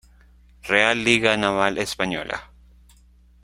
Real Liga Naval Española.